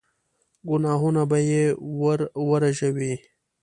ګناهونه به يې ور ورژوي.